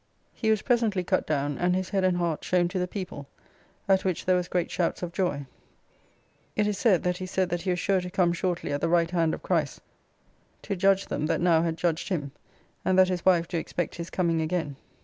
He was presently cut down, and his head and heart shown to the people, at which there was great shouts of joy. It is said, that he said that he was sure to come shortly at the right hand of Christ to judge them that now had judged him; and that his wife do expect his coming again.